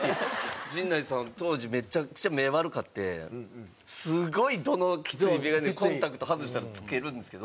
陣内さんは当時めちゃくちゃ目悪かってすごい度のきつい眼鏡をコンタクト外したら着けるんですけど。